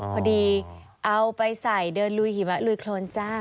พอดีเอาไปใส่เดินลุยหิมะลุยโครนจ้า